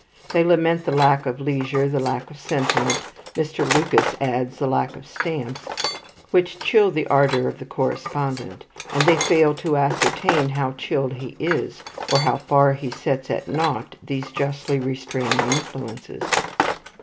They lament the lack of leisure, the lack of sentiment, Mr. Lucas adds the lack of stamps, which chill the ardour of the correspondent; and they fail to ascertain how chilled he is, or how far he sets at naught these justly restraining influences.